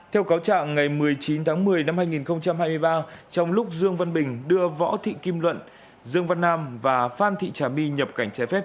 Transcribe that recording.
theo cáo trạng ngày một mươi chín tháng một mươi năm hai nghìn hai mươi ba trong lúc dương văn bình đưa võ thị kim luận dương văn nam và phan thị trà my nhập cảnh trái phép